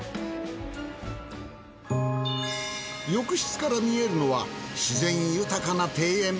浴室から見えるのは自然豊かな庭園。